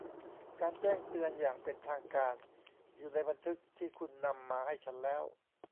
การแจ้งเตือนอย่างเป็นทางการอยู่ในบันทึกที่คุณนำมาให้ฉันแล้ว